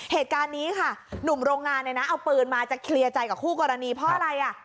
เหตุการณ์นี้ค่ะหนุ่มโรงงานเนี่ยนะเอาปืนมาจะเคลียร์ใจกับคู่กรณีเพราะอะไรอ่ะ